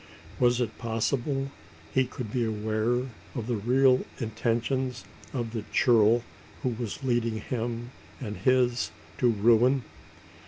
Was it possible he could be aware of the real intentions of the churl who was leading him and his to ruin?